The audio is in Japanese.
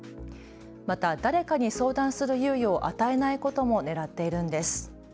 また、誰かに相談する猶予を与えないこともねらっているんです。